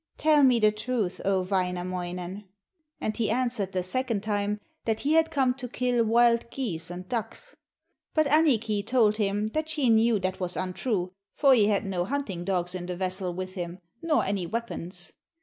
Tell me the truth, O Wainamoinen!' And he answered the second time, that he had come to kill wild geese and ducks. But Annikki told him that she knew that was untrue, for he had no hunting dogs in the vessel with him, nor any weapons.